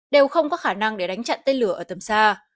đều không có khả năng để đánh chặn tên lửa ở tầm xa